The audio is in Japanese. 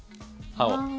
歯を。